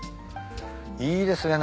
いいですね。